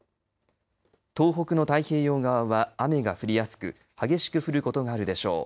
東北の太平洋側は雨が降りやすく激しく降ることがあるでしょう。